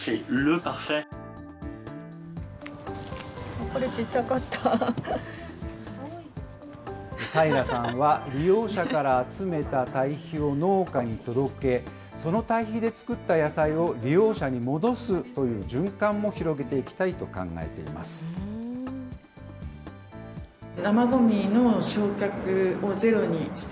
これ、たいらさんは、利用者から集めた堆肥を農家に届け、その堆肥で作った野菜を利用者に戻すという循環も広げていきたいと考えています。